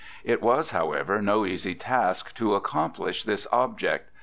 It was, however, no easy task to accomplish this object.